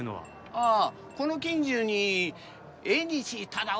ああこの近所に江西忠男